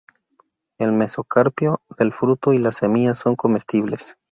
El mesocarpio del fruto y la semilla son comestibles.